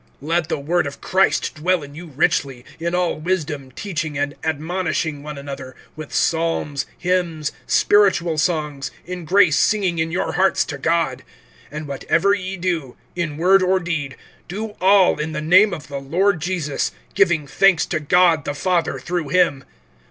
(16)Let the word of Christ dwell in you richly; in all wisdom teaching and admonishing one another, with psalms, hymns, spiritual songs, in grace singing in your hearts to God. (17)And whatever ye do, in word or deed, do all in the name of the Lord Jesus, giving thanks to God the Father through him.